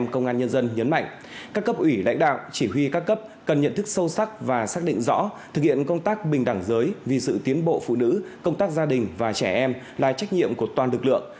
công an nhân dân nhấn mạnh các cấp ủy lãnh đạo chỉ huy các cấp cần nhận thức sâu sắc và xác định rõ thực hiện công tác bình đẳng giới vì sự tiến bộ phụ nữ công tác gia đình và trẻ em là trách nhiệm của toàn lực lượng